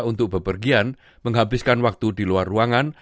untuk bepergian menghabiskan waktu di luar ruangan